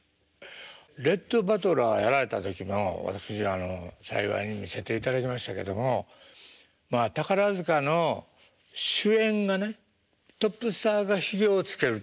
レット・バトラーやられた時のを私幸いに見せていただきましたけどもまあ宝塚の主演がねトップスターがヒゲをつけるっていうのは。